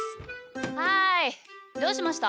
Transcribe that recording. はいどうしました？